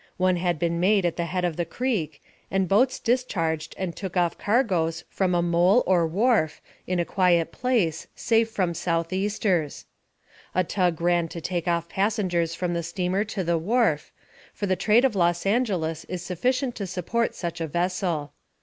One had been made at the head of the creek, and boats discharged and took off cargoes from a mole or wharf, in a quiet place, safe from southeasters. A tug ran to take off passengers from the steamer to the wharf, for the trade of Los Angeles is sufficient to support such a vessel.